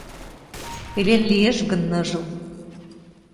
Пелен лиеш гын ныжыл